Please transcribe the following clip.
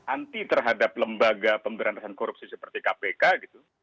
anti terhadap lembaga pemberantasan korupsi seperti kpk gitu